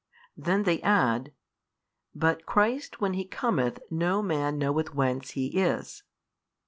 Then they add, but Christ when He cometh no man knoweth whence He is.